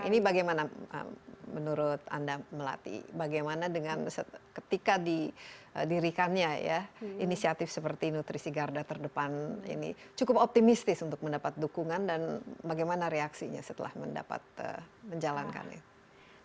ini bagaimana menurut anda melati bagaimana dengan ketika didirikannya ya inisiatif seperti nutrisi garda terdepan ini cukup optimistis untuk mendapat dukungan dan bagaimana reaksinya setelah mendapat menjalankannya